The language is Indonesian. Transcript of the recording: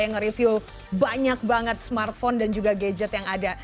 yang nge review banyak banget smartphone dan juga gadget yang ada